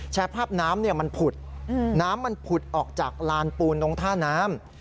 ภาพน้ำมันผุดน้ำมันผุดออกจากลานปูนตรงท่าน้ำ